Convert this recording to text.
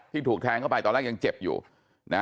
ถูกแทงเข้าไปตอนแรกยังเจ็บอยู่นะ